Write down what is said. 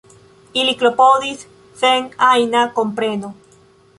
Ili klopodis sen ajna kompreno.